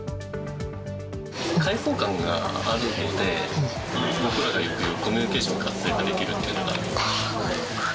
開放感があるので、僕らがよく言う、コミュニケーションの活性化できるというのが。